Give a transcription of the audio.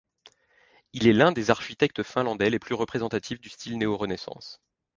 Il est l'un des architectes finlandais les plus représentatifs du style néorenaissance.